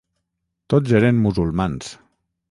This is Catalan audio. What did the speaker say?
Tots eren musulmans.